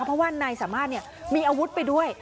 เพราะว่านายสามารถมีอาวุธไปด้วย